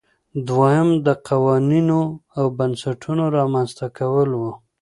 دویم د قوانینو او بنسټونو رامنځته کول وو.